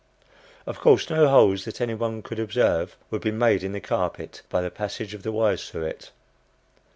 Of course, no holes that any one could observe would be made in the carpet by the passage of the wires through it.